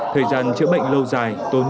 thời gian chữa bệnh lâu dài tốn